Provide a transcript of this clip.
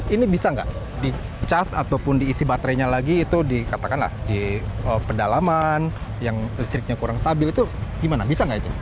ini bisa nggak di cas ataupun diisi baterainya lagi itu dikatakanlah di pedalaman yang listriknya kurang stabil itu gimana bisa nggak itu